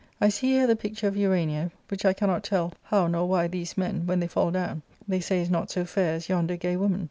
I see here the picture of Urania, which I cannot tell how nor why these men, when they fall down, they say is not so fair as yonder gay woman.